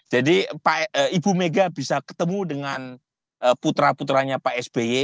jadi ibu mega bisa ketemu dengan putra putranya pak sby